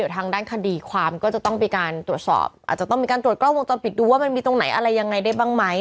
ตรวจสอบอาจจะต้องมีการตรวจกล้องวงจอมปิดดูว่ามันมีตรงไหนอะไรยังไงได้บ้างไหม